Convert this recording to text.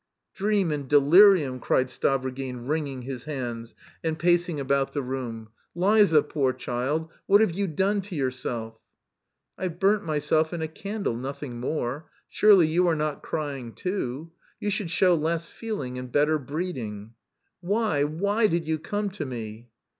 "Dream and delirium," cried Stavrogin, wringing his hands, and pacing about the room. "Liza, poor child, what have you done to yourself?" "I've burnt myself in a candle, nothing more. Surely you are not crying, too? You should show less feeling and better breeding...." "Why, why did you come to me?"